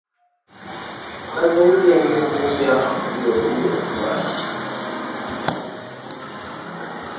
na zaidi ya mia moja kujeruhiwa vibaya